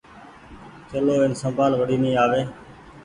چلو اين سمڀآل وڙي ني آوي۔